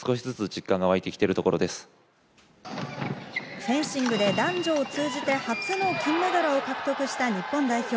フェンシングで男女を通じて初の金メダルを獲得した日本代表。